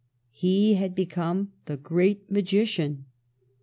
He had become the great magician.